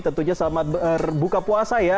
tentunya selamat berbuka puasa ya